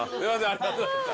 ありがとうございます